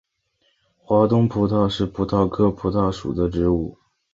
华东葡萄是葡萄科葡萄属的植物。